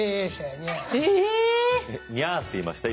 「にゃー」って言いました？